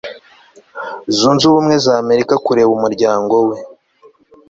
zunze ubumwe za amerika kureba umuryango we